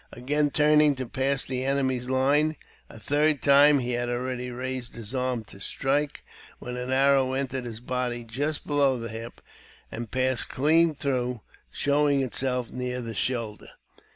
Again turning to pass the^ enemy's line a third time, he had already raised his arm t strike, when an arrow entered his body just below the hip, aa passed clean through, showing itself near the shoulder.